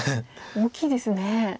大きいですね。